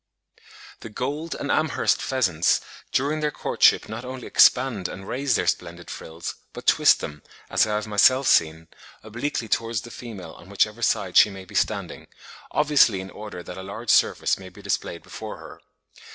] The Gold and Amherst pheasants during their courtship not only expand and raise their splendid frills, but twist them, as I have myself seen, obliquely towards the female on whichever side she may be standing, obviously in order that a large surface may be displayed before her.